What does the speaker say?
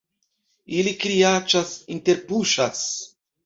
Ili kriaĉas, interpuŝas.